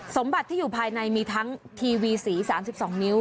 สมบัติที่อยู่ภายในมีทั้งทีวีสี๓๒นิ้ว